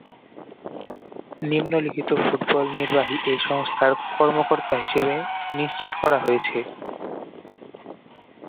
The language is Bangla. নিম্নলিখিত ফুটবল নির্বাহী এই সংস্থার কর্মকর্তা হিসেবে নিশ্চিত করা হয়েছে।